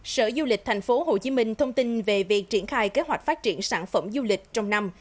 sở du lịch tp hcm thông tin về việc triển khai kế hoạch phát triển sản phẩm du lịch trong năm